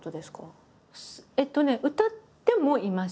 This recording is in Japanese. えっとね歌ってもいます。